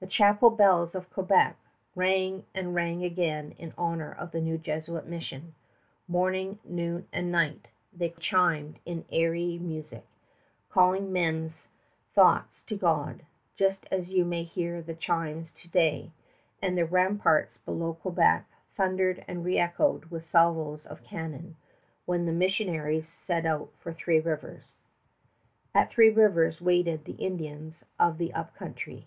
The chapel bells of Quebec rang and rang again in honor of the new Jesuit mission morning, noon, and night they chimed in airy music, calling men's thoughts to God, just as you may hear the chimes to day; and the ramparts below Quebec thundered and reëchoed with salvos of cannon when the missionaries set out for Three Rivers. At Three Rivers waited the Indians of the Up Country.